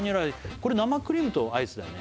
これ生クリームとアイスだよね？